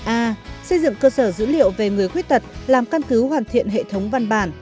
a xây dựng cơ sở dữ liệu về người khuyết tật làm căn cứ hoàn thiện hệ thống văn bản